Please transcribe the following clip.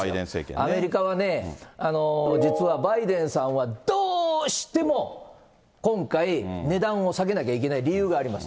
アメリカはね、実は、バイデンさんはどうしても今回、値段を下げなきゃいけない理由があります。